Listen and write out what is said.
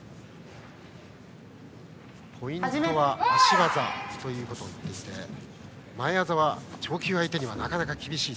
ポイントは足技ということを言っていて前技は超級相手にはなかなか厳しい。